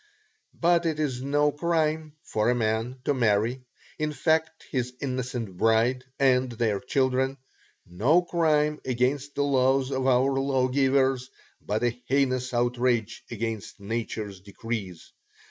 But it is no crime for a man to marry, infect his innocent bride and their children; no crime against the laws of our lawgivers, but a heinous outrage against nature's decrees.